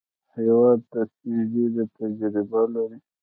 هېواد د سپینږیرو تجربه ده.